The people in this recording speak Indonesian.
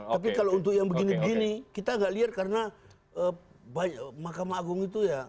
tapi kalau untuk yang begini begini kita nggak lihat karena mahkamah agung itu ya